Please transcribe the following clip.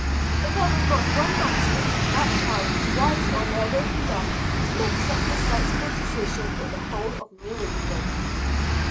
But there was not one magistrate at that time, wise or learned enough to make such a sensible decision in the whole of New England.